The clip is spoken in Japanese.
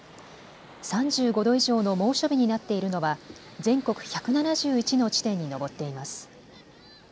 ３５度以上の猛暑日になっているのは全国１７１の地点に上っています。